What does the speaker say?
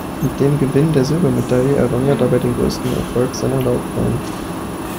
Mit dem Gewinn der Silbermedaille errang er dabei den größten Erfolg seiner Laufbahn.